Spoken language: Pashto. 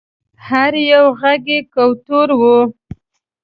هر یو غر یې کوه طور و